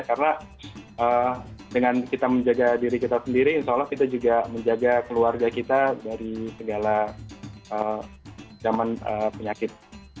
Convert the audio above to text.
karena dengan kita menjaga diri kita sendiri insya allah kita juga menjaga keluarga kita dari segala zaman penyakit